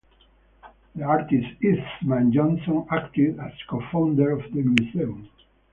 The artist Eastman Johnson acted as co-founder of the museum.